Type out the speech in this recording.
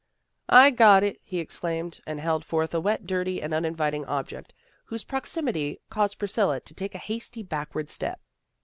" I got it," he exclaimed and held forth a wet, dirty and uninviting object, whose proximity caused Priscilla to take a hasty back ward step.